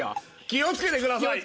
気をつけてください